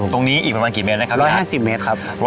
ตรงนี้อีกละมันกี่เมตรนะครับ